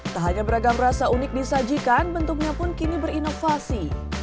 tak hanya beragam rasa unik disajikan bentuknya pun kini berinovasi